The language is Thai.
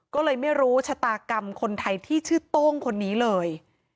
ก็เลยไม่รู้ชะตากรรมคนไทยที่ชื่อโต้งคนนี้เลย